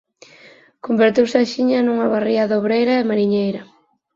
Converteuse axiña nunha barriada obreira e mariñeira.